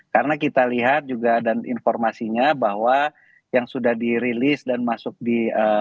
karena kita lihat juga dan informasinya bahwa yang sudah dirilis dan masuk di